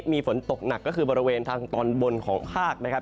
มีฝนตกหนักก็คือบริเวณทางตอนบนของภาคนะครับ